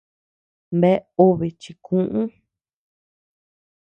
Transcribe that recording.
Bea obe chikuʼu.